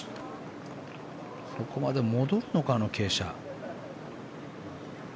そこまで戻るのか、あの傾斜。